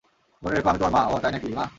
মনে রেখো, আমি তোমার মা -ওহ তাই নাকি, মা?